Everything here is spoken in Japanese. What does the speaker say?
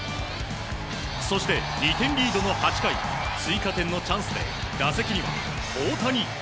そして２点リードの８回追加点のチャンスで打席には大谷。